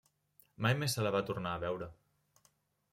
Mai més se la va tornar a veure.